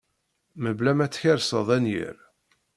Mebla ma tkerseḍ anyir